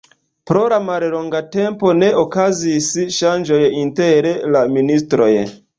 Pro la mallonga tempo ne okazis ŝanĝoj inter la ministroj.